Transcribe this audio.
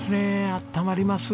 あったまります